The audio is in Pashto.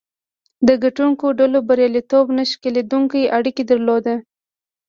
د ګټونکو ډلو بریالیتوب نه شلېدونکې اړیکه درلوده.